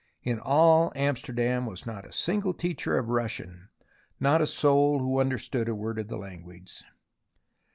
In all Amsterdam was not a single teacher of Russian, not a soul who understood a word of the language.